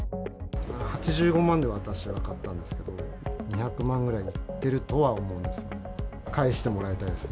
８５万で私は買ったんですけど、２００万ぐらいいってるとは思います。